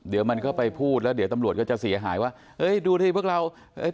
เดี๋ยวมันก็ไปพูดแล้วเดี๋ยวตำรวจก็จะเสียหายว่าเอ้ยดูสิพวกเราเอ้ย